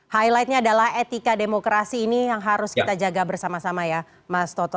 highlightnya adalah etika demokrasi ini yang harus kita jaga bersama sama ya mas toto